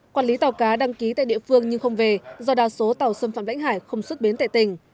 quản lý tàu cá đăng ký tại địa phương nhưng không về do đa số tàu xâm phạm lãnh hải không xuất bến tại tỉnh